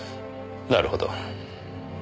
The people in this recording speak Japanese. なるほど。